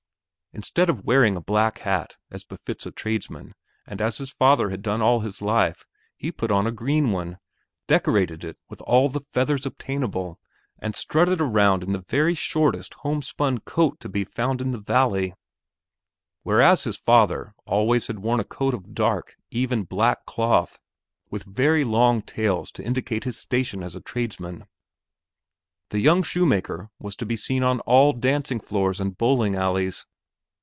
Instead of wearing a black hat, as befits a tradesman, and as his father had done all his life, he put on a green one, decorated it with all the feathers obtainable and strutted around in the very shortest homespun coat to be found in all the valley; whereas his father always had worn a coat of dark, even black cloth with very long tails to indicate his station as tradesman. The young shoemaker was to be seen on all dancing floors and bowling alleys.